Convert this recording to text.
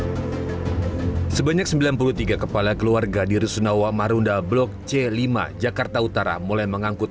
hai sebanyak sembilan puluh tiga kepala keluarga di rusunawa marunda blok c lima jakarta utara mulai mengangkut